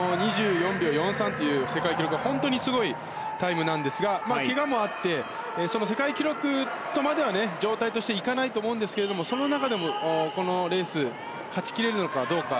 ２４秒４３という世界記録は本当にすごいタイムですがけがもあって、世界記録とまでは状態としていかないと思うんですけどその中でも、このレース勝ち切れるかどうか。